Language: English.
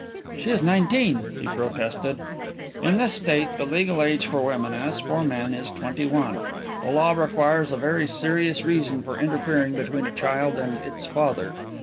"She is nineteen," he protested. "In this state, the legal age for women, as for men, is twenty one. The law requires a very serious reason for interfering between a child and its father.